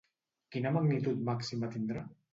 Quina magnitud màxima tindrà?